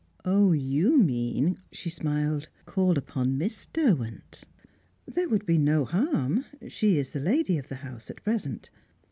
"You mean" she smiled "call upon Miss Derwent. There would be no harm; she is the lady of the house, at present."